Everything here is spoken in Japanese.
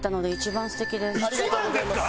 一番ですか？